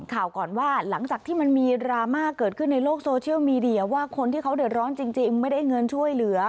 ก่อนว่าหลังจากที่มันมีดราม่าเกิดขึ้นในโลกโซเชียลมีเดียว่าคนที่เขาเดือดร้อนจริงไม่ได้เงินช่วยเหลือ